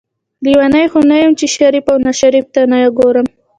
لیونۍ خو نه یم چې شریف او ناشریف ته نه ګورم.